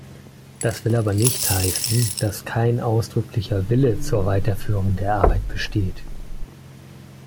Das will aber nicht heißen, dass kein ausdrücklicher Wille zur Weiterführung der Arbeit besteht.